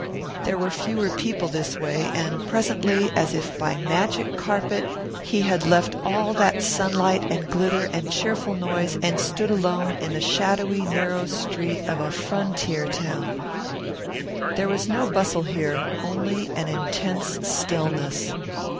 There were fewer people this way, and presently, as if by magic carpet, he had left all that sunlight and glitter and cheerful noise and stood alone in the shadowy, narrow street of a frontier town. There was no bustle here, only an intense stillness.